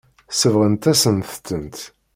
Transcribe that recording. Sebɣent-asent-tent.